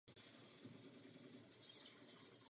Jeho útočištěm se tak stalo opět místo v justici.